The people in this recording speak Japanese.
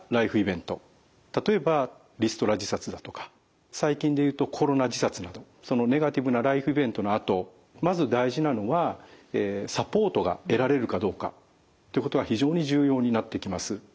例えばリストラ自殺だとか最近で言うとコロナ自殺などそのネガティブなライフイベントのあとまず大事なのはサポートが得られるかどうかってことが非常に重要になってきます。